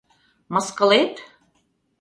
Мыскылет?